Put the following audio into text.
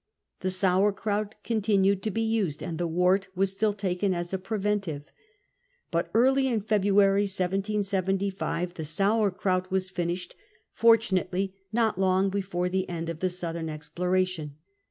The sour krout continued to be used, and the wort was still taken as a preventive. But early in February 1775 the sour krout was finished, fortunately not long before the end of the southern exploration.